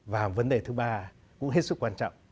và vấn đề thứ ba cũng hết sức quan trọng